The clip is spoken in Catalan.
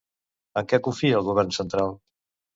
En què confia el govern central?